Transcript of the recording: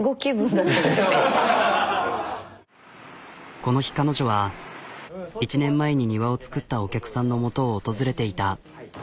この日彼女は１年前に庭を造ったお客さんの元を訪れていた。